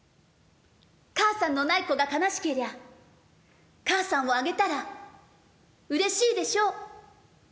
母さんのない子がかなしけりゃ、母さんをあげたら嬉しいでしょう。